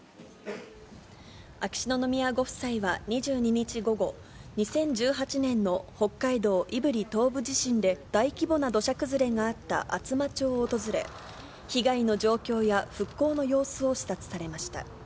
秋篠宮ご夫妻は２２日午後、２０１８年の北海道胆振東部地震で大規模な土砂崩れがあった厚真町を訪れ、被害の状況や復興の様子を視察されました。